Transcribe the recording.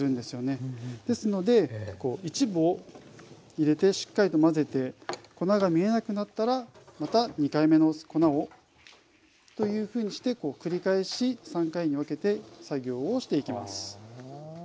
ですので一部を入れてしっかりと混ぜて粉が見えなくなったらまた２回目の粉をというふうにして繰り返し３回に分けて作業をしていきます。